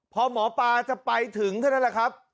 พอหมอปลาจะไปถึงเท่านั้นแหละครับ